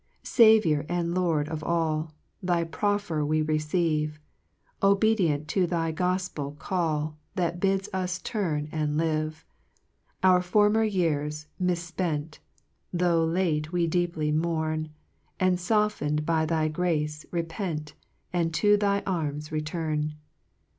3 Saviour and Lord of all, Thy proffer we receive, Obedient to thy gofpcl call That bids us turn and live : Our former years mif fpent, Tho' late, we deeply mourn, And foften'd by thy grace, repent, And to thy arms return.